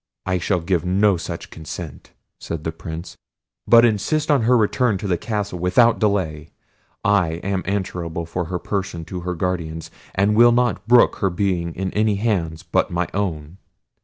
"I shall give no such consent," said the Prince, "but insist on her return to the castle without delay: I am answerable for her person to her guardians, and will not brook her being in any hands but my own."